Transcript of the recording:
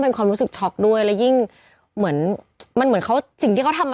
ทำงานครบ๒๐ปีได้เงินชดเฉยเลิกจ้างไม่น้อยกว่า๔๐๐วัน